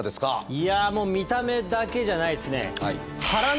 いやもう見た目だけじゃないっすね。